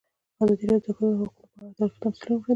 ازادي راډیو د د ښځو حقونه په اړه تاریخي تمثیلونه وړاندې کړي.